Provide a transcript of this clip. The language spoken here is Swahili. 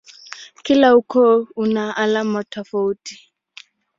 Kila ukoo una alama tofauti.